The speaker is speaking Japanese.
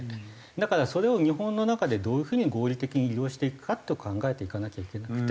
だからそれを日本の中でどういう風に合理的に利用していくかって考えていかなきゃいけなくて。